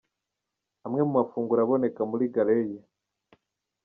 Amwe mu mafunguro aboneka muri Galleria.